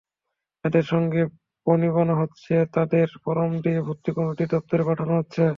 যাদের সঙ্গে বনিবনা হচ্ছে তাদের ফরম দিয়ে ভর্তি কমিটির দপ্তরে পাঠানো হচ্ছে।